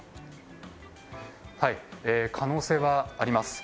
可能性はあります。